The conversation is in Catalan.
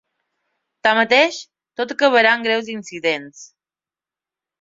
Tanmateix, tot acabarà amb greus incidents.